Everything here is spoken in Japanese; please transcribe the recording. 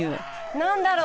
何だろう。